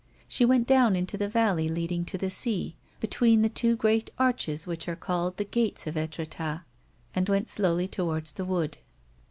She went down into the valley leading to the sea, between the two great arches which are called the gates of ^^tretat, and went slowly towards the wood.